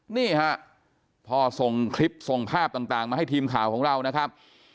นี่ฮะพอส่งคลิปส่งภาพต่างมาให้ทีมข่าวของเรานะครับ